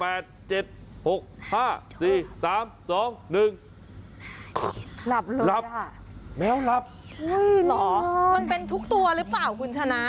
มันเป็นทุกตัวหรือเปล่าคุณชนะ